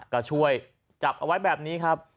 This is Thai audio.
ก็ช่วยจับเอาไว้แบบนี้ครับ